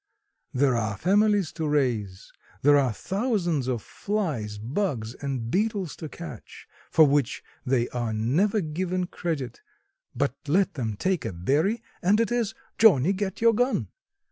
There are families to raise; there are thousands of flies, bugs and beetles to catch, for which they are never given credit, but let them take a berry and it is "Johnnie, get your gun."